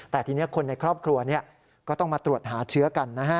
แต่ทีนี้คนในครอบครัวก็ต้องมาตรวจหาเชื้อกันนะฮะ